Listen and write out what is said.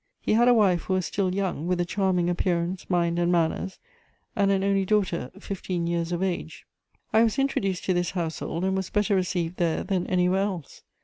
He had a wife who was still young, with a charming appearance, mind and manners, and an only daughter, fifteen years of age. I was introduced to this household, and was better received there than anywhere else.